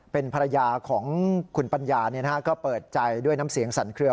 เป็นภรรยาของคุณปัญญาก็เปิดใจด้วยน้ำเสียงสั่นเคลือ